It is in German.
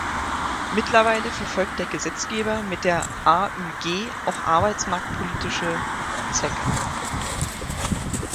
Mittlerweile verfolgt der Gesetzgeber mit dem AÜG auch arbeitsmarktpolitische Zwecke.